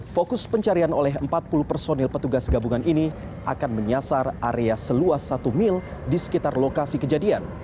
fokus pencarian oleh empat puluh personil petugas gabungan ini akan menyasar area seluas satu mil di sekitar lokasi kejadian